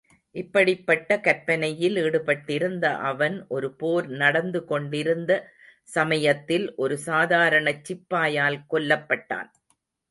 இப்படிப்பட்ட கற்பனையில் ஈடுபட்டிருந்த அவன், ஒரு போர் நடந்து கொண்டிருந்த சமயத்தில் ஒரு சாதாரணச் சிப்பாயால் கொல்லப் பட்டான்.